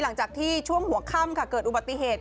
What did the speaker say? หลังจากที่ช่วงหัวค่ำค่ะเกิดอุบัติเหตุ